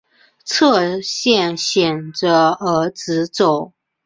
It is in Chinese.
侧线显着而直走。